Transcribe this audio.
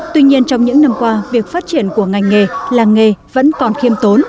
tuy nhiên trong những năm qua việc phát triển của ngành nghề làng nghề vẫn còn khiêm tốn